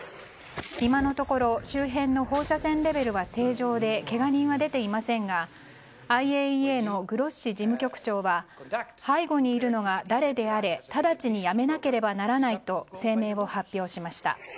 今のところ周辺の放射線レベルは正常でけが人は出ていませんがＩＡＥＡのグロッシ事務局長は背後にいるのが誰であれ直ちにやめなければならないと声明を発表しました。